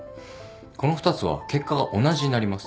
この２つは結果が同じになります。